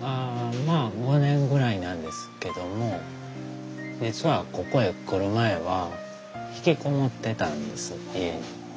まあ５年ぐらいなんですけども実はここへ来る前は引きこもってたんです家に。